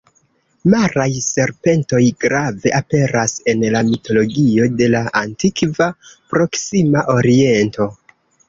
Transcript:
Maraj serpentoj grave aperas en la mitologio de la Antikva Proksima Oriento.